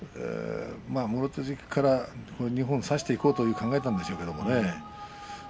もろ手突きから二本差していこうと考えたんでしょうけれどね。